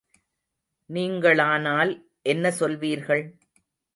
நீங்களானால் என்ன சொல்வீர்கள்?